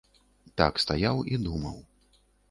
Так стаяў і думаў.